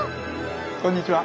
こんにちは！